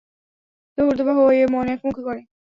কেহ ঊর্ধ্ববাহু হইয়া মন একমুখী করে।